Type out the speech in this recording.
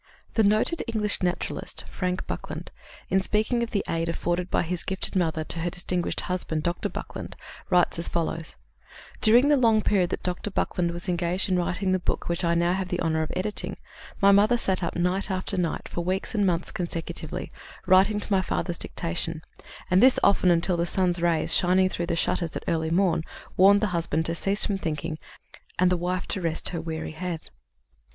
The noted English naturalist, Frank Buckland, in speaking of the aid afforded by his gifted mother to her distinguished husband, Dr. Buckland, writes as follows: "During the long period that Dr. Buckland was engaged in writing the book which I now have the honor of editing, my mother sat up night after night, for weeks and months consecutively, writing to my father's dictation; and this often until the sun's rays, shining through the shutters at early morn, warned the husband to cease from thinking and the wife to rest her weary hand.